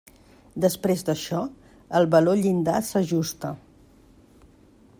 Després d'això, el valor llindar s'ajusta.